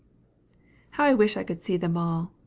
"How I wish I could see them all!